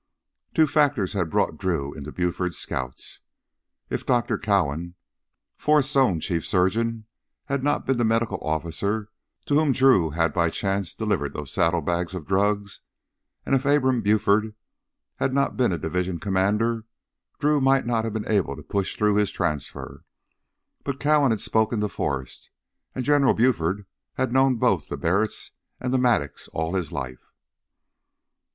Two factors had brought Drew into Buford's Scouts. If Dr. Cowan, Forrest's own chief surgeon, had not been the medical officer to whom Drew had by chance delivered those saddlebags of drugs, and if Abram Buford had not been a division commander, Drew might not have been able to push through his transfer. But Cowan had spoken to Forrest, and General Buford had known both the Barretts and the Mattocks all his life.